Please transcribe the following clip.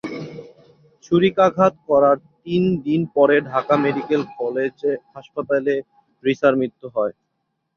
ছুরিকাঘাত করার তিন দিন পরে ঢাকা মেডিকেল কলেজ হাসপাতালে রিসার মৃত্যু হয়।